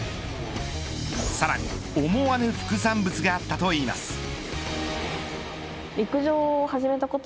さらに思わぬ副産物があったといいます。